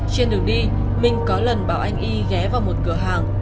trên đường đi minh có lần bảo anh y ghé vào một cửa hàng